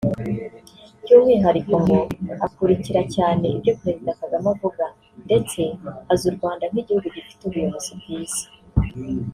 By’umwihariko ngo akurikira cyane ibyo Perezida Kagame avuga ndetse azi u Rwanda nk’igihugu gifite ubuyobozi bwiza